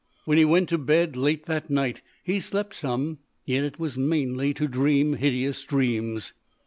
When he went to bed, late that night, he slept some, yet it was mainly to dream hideous dreams.